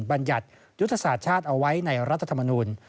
บรรยัติยุทธศาสตร์ชาติเอาไว้ในรัฐธรรมนูล